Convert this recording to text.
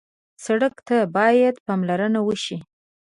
سړک ته باید پاملرنه وشي.